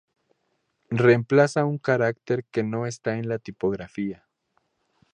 Reemplaza un caracter que no está en la tipografía.